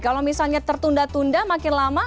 kalau misalnya tertunda tunda makin lama